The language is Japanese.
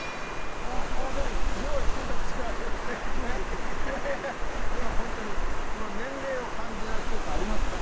あでもでもほんとに年齢を感じない強さありますね。